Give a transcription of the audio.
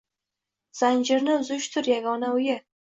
Zanjirni uzishdir yagona o’yi.